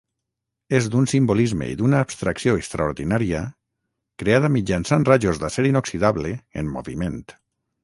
És d'un simbolisme i d'una abstracció extraordinària creada mitjançant rajos d'acer inoxidable en moviment.